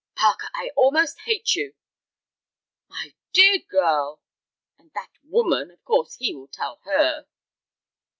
"Parker, I almost hate you." "My dear girl!" "And that woman, of course he will tell her."